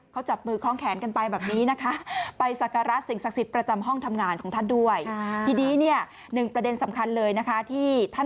เขาจับมือคล้องแขนกันไปแบบนี้นะคะ